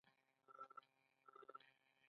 د منځنۍ اسیا هیوادونو ته صادرات لرو؟